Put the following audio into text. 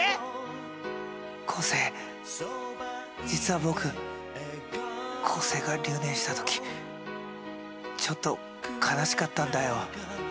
昴生実は僕昴生が留年した時ちょっと悲しかったんだよ。